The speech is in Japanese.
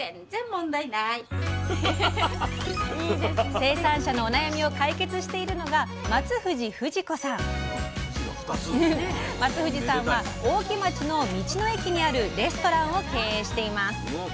生産者のお悩みを解決しているのが松藤さんは大木町の道の駅にあるレストランを経営しています。